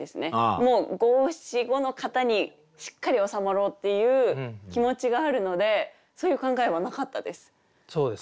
もう五七五の型にしっかり収まろうっていう気持ちがあるのでそういう考えはなかったです。